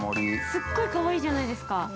◆すっごいかわいいじゃないですか。